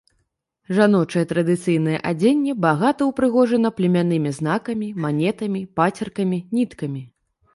Жаночае традыцыйнае адзенне багата ўпрыгожана племяннымі знакамі, манетамі, пацеркамі, ніткамі.